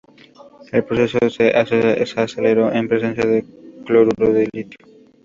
El proceso se acelera en presencia de cloruro de litio.